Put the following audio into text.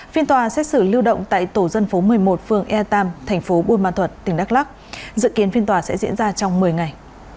phiên tòa xét xử lưu động tại tổ dân phố một mươi một phường e tam thành phố buôn ma thuật tỉnh đắk lắc dự kiến phiên tòa sẽ diễn ra trong một mươi ngày